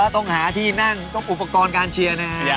ต้องหาที่นั่งต้องอุปกรณ์การเชียร์นะฮะ